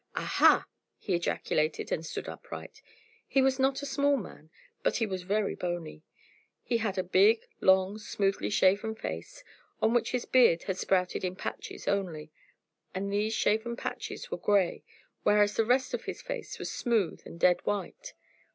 "Ah ha!" he ejaculated, and stood upright. He was not a small man, but he was very bony. He had a big, long, smoothly shaven face, on which his beard had sprouted in patches only, and these shaven patches were gray, whereas the rest of his face was smooth and dead white.